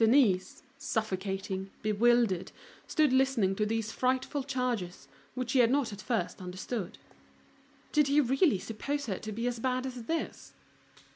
Denise, suffocating, bewildered, stood listening to these frightful charges, which she had not at first understood. Did he really suppose her to be as bad as this?